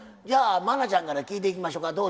じゃあ茉奈ちゃんから聞いていきましょか。